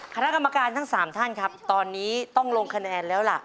คณะกรรมการทั้ง๓ท่านครับตอนนี้ต้องลงคะแนนแล้วล่ะ